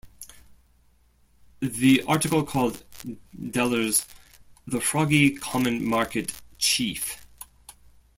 The article called Delors "the Froggie Common Market chief".